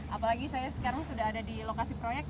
apalagi saya sekarang sudah ada di lokasi proyek